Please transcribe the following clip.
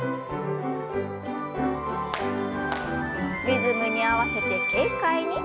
リズムに合わせて軽快に。